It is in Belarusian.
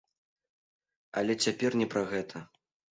Але цяпер не пра гэта.